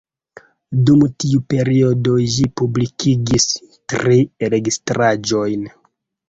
Dum tiu periodo, ĝi publikigis tri registraĵojn.